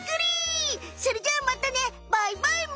それじゃあまたねバイバイむ。